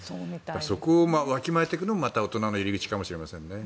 そこをわきまえていくのも大人の入り口かもしれませんね。